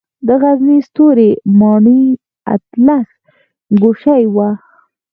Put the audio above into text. د غزني ستوري ماڼۍ اتلس ګوشې وه